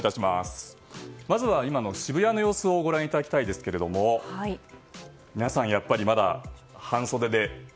まずは今の渋谷の様子をご覧いただきたいんですが皆さん、やっぱりまだ半袖で。